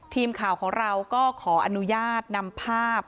ทีมข่าวของเราก็ขออนุญาตนำภาพ